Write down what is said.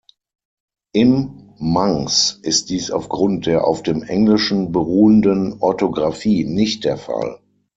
Im Manx ist dies aufgrund der auf dem Englischen beruhenden Orthographie nicht der Fall.